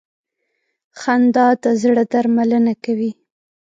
خندا د زړه درملنه کوي.